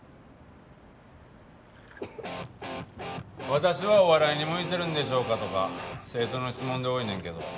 「私はお笑いに向いてるんでしょうか？」とか生徒の質問で多いねんけど